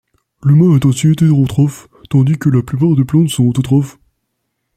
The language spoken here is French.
L'humain est ainsi hétérotrophe, tandis que la plupart des plantes sont autotrophes.